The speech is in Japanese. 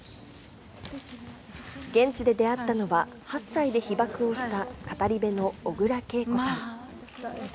現地で出会ったのは、８歳で被爆をした語り部の小倉桂子さん。